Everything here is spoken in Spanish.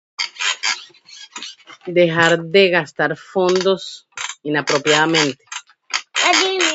Dejar de gastar fondos inapropiadamente